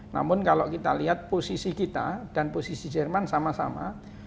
namun kalau kita lihat posisi kita dan posisi jerman sama sama